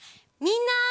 みんな！